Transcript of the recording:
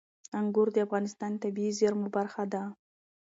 انګور د افغانستان د طبیعي زیرمو برخه ده.